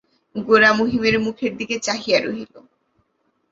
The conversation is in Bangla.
গোরা মহিমের মুখের দিকে চাহিয়া রহিল।